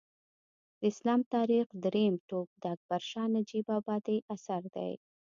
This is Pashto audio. د اسلام تاریخ درېیم ټوک د اکبر شاه نجیب ابادي اثر دی